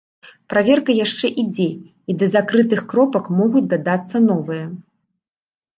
Праверка яшчэ ідзе, і да закрытых кропак могуць дадацца новыя.